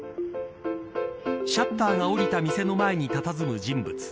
シャッターが下りた店の前にたたずむ人物。